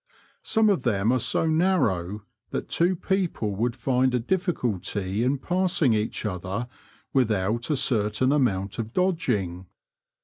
Some of them are so narrow that two people would find a difficulty in passing each other without a certain amount of dodging.